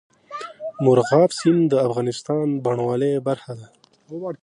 مورغاب سیند د افغانستان د بڼوالۍ برخه ده.